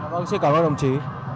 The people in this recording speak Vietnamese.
vâng xin cảm ơn đồng chí